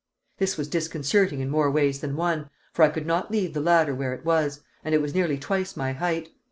This was disconcerting in more ways than one, for I could not leave the ladder where it was, and it was nearly twice my height.